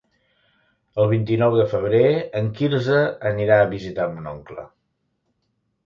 El vint-i-nou de febrer en Quirze anirà a visitar mon oncle.